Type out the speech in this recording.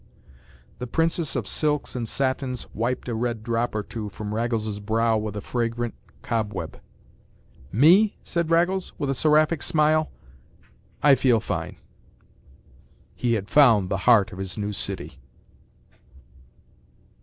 The princess of silks and satins wiped a red drop or two from Raggles’s brow with a fragrant cobweb. “Me?” said Raggles, with a seraphic smile, “I feel fine.” He had found the heart of his new city.